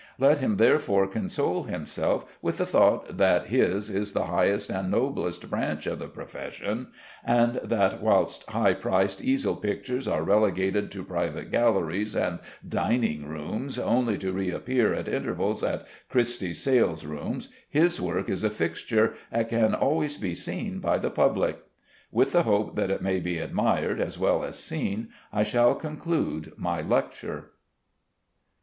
Let him therefore console himself with the thought that his is the highest and noblest branch of the profession, and that whilst high priced easel pictures are relegated to private galleries and dining rooms, only to reappear at intervals at Christie's salerooms, his work is a fixture, and can always be seen by the public. With the hope that it may be admired as well as seen I shall conclude my lecture.